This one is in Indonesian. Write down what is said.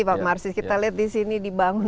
pak marsi kita lihat disini dibangun